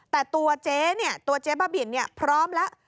แต่ตัวเจ๊บ้าบิ่นพร้อมแล้ว